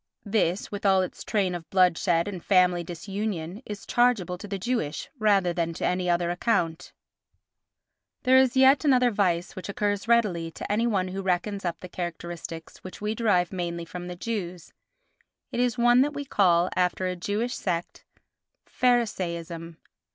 This, with all its train of bloodshed and family disunion, is chargeable to the Jewish rather than to any other account. There is yet another vice which occurs readily to any one who reckons up the characteristics which we derive mainly from the Jews; it is one that we call, after a Jewish sect, "Pharisaism."